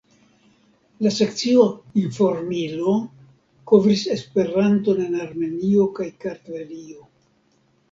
La sekcio "Informilo" kovris Esperanton en Armenio kaj Kartvelio.